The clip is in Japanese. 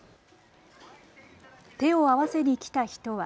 手を合わせに来た人は。